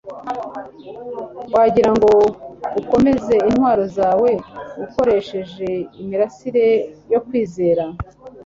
wagirango ukomeze intwaro zawe ukoresheje imirasire yo kwizera